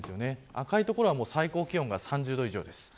赤い所は最高気温が３０度以上です。